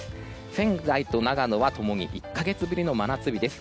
仙台と長野は共に１か月ぶりの真夏日です。